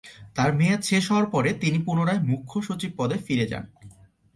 তার মেয়াদ শেষ হওয়ার পরে তিনি পুনরায় মুখ্য সচিব পদে ফিরে যান।